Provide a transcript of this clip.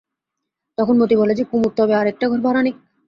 তখন মতি বলে যে কুমুদ তবে আর একটা ঘর ভাড়া নিক।